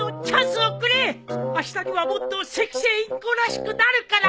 あしたにはもっとセキセイインコらしくなるから。